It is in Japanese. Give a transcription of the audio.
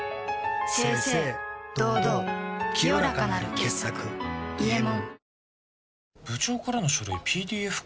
清々堂々清らかなる傑作「伊右衛門」